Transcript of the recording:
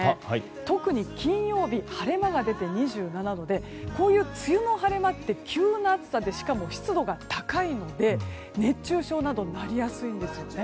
特に金曜日晴れ間が出て２７度でこういう梅雨の晴れ間って急な暑さでしかも、湿度が高いので熱中症などになりやすいんです。